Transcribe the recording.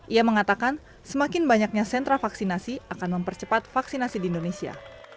ia mengatakan semakin banyaknya sentra vaksinasi akan mempercepat vaksinasi di indonesia